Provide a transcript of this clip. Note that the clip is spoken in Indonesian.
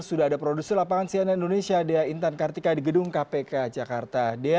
sudah ada produser lapangan cnn indonesia dea intan kartika di gedung kpk jakarta